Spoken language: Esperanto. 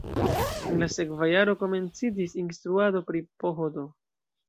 En la sekva jaro komenciĝis instruado pri PhD.